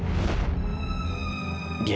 bapak masih bilang dibilang bukan